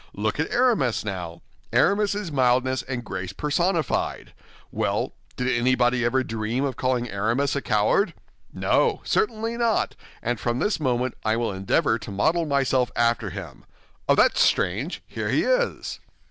Look at Aramis, now; Aramis is mildness and grace personified. Well, did anybody ever dream of calling Aramis a coward? No, certainly not, and from this moment I will endeavor to model myself after him. Ah! That's strange! Here he is!"